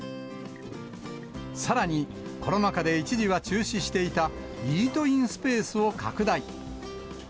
さらにコロナ禍で一時は中止していたイートインスペースを拡大。